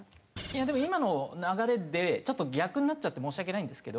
でも今の流れでちょっと逆になっちゃって申し訳ないんですけど。